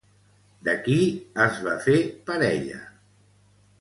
De qui es va fer parella?